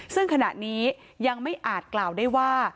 ซึ่งขณะนี้ยังไม่อาจกล่าวได้ว่า